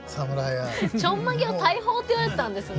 ちょんまげを大砲っていわれてたんですね。